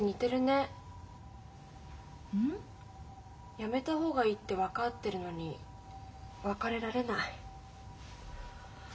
やめた方がいいって分かってるのに別れられない。